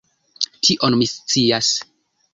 Tion mi scias.